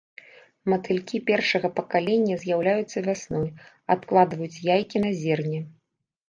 Матылькі першага пакалення з'яўляюцца вясной, адкладваюць яйкі на зерне.